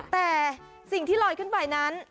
แต่สิ่งที่ลอยขึ้นไปนั้น